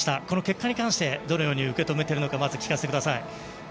この結果に関してどのように受け止めているかまず、お聞かせください。